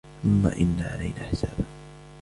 ثم إن علينا حسابهم